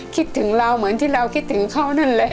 คิดถึงเราเหมือนที่เราคิดถึงเขานั่นแหละ